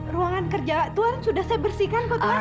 ruangan kerja tuhan sudah saya bersihkan kok tuan